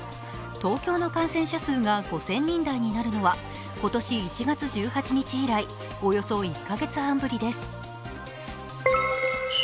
東京の感染者数が５０００人台になるのは今年１月１８日以来、およそ１カ月半ぶりです。